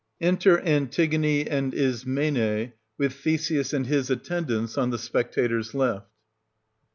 Enter ANTIGONE and ISMENE, with THESEUS and his attendants, on the spectators left.